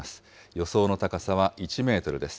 予想の高さは１メートルです。